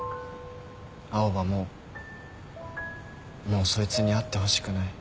青羽ももうそいつに会ってほしくない。